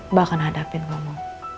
mbak akan hadapin kamu